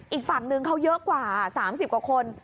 อีกฝั่งนึงเขาเยอะกว่า๓๐กว่าคน